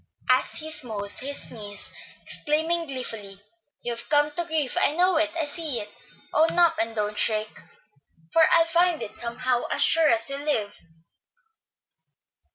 as he smote his knees exclaiming gleefully, "You've come to grief! I know it, I see it. Own up, and don't shirk, for I'll find it out somehow, as sure as you live."